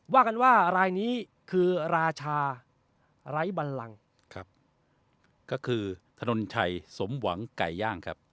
ว่ากันว่ารายนี้คือราชาไร้บันลังครับก็คือถนนชัยสมหวังไก่ย่างครับ